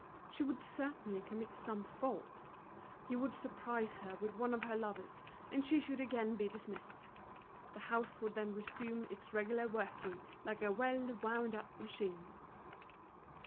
She would certainly commit some fault, he would surprise her with one of her lovers, and she should again be dismissed. The house would then resume its regular working like a well wound up machine.